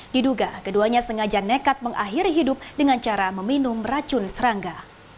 diduga keduanya sengaja nekat mengakhiri hidup dengan cara meminum racun serangga